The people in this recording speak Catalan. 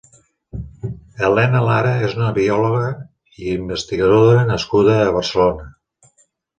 Elena Lara és una biologa i investigadora nascuda a Barcelona.